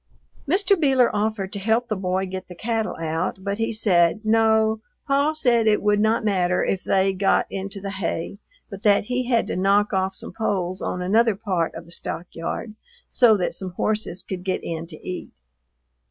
Mr. Beeler offered to help the boy get the cattle out, but he said, "No, Paw said it would not matter if they got into the hay, but that he had to knock off some poles on another part of the stockyard so that some horses could get in to eat."